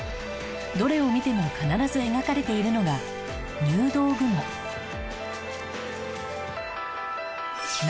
どれを見ても必ず描かれているのが何でだろう？